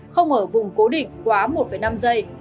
không ở vùng cố định quá một năm giây